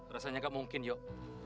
rasanya gak mungkin yuk